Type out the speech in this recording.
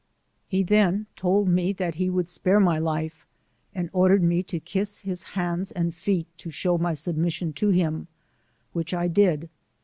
He then told me that he would spare my life, and ordered me to kiss his hands alid feet to show my submission to him, which 1 did.